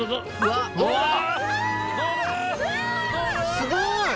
すごい！